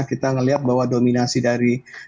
kita melihat bahwa dominasi dari domestic masih cukup kuat